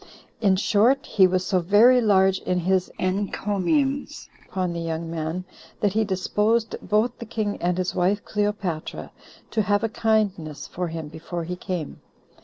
In short, he was so very large in his encomiums upon the young man, that he disposed both the king and his wife Cleopatra to have a kindness for him before he came.